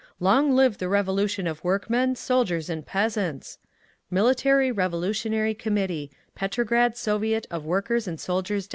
LONG LIVE THE REVOLUTION OF WORKMEN, SOLDIERS AND PEASANTS! Military Revolutionary Committee _Petrograd Soviet of Workers' and Soldiers' Deputies.